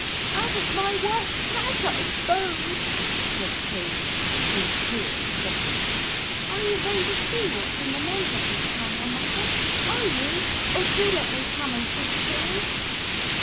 'Out of my White Cat, I s'pose,' said Tavy, his tears stopping. 'Are you going to see what's in the mantelpiece panel, mother? Are you? Oh, do let me come and see too!'